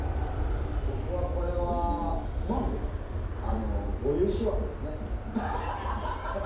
僕はこれは、ご融資枠ですね。